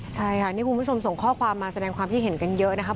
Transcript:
ใช่ค่ะนี่คุณผู้ชมส่งข้อความมาแสดงความคิดเห็นกันเยอะนะครับ